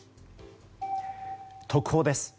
特報です。